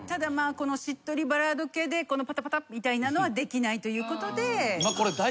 このしっとりバラード系でぱたぱたみたいなのはできないということで。